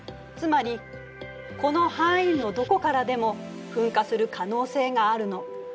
つまりこの範囲のどこからでも噴火する可能性があるの。